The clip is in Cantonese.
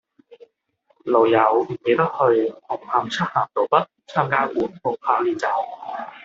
老友唔記得去紅磡漆咸道北參加緩步跑練習